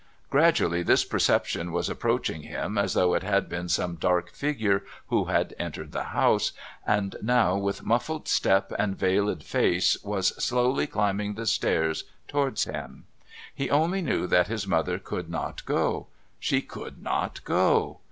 Gradually this perception was approaching him as though it had been some dark figure who had entered the house, and now, with muffled step and veiled face, was slowly climbing the stairs towards him. He only knew that his mother could not go; she could not go.